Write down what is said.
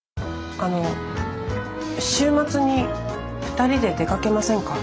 あの週末に二人で出かけませんか？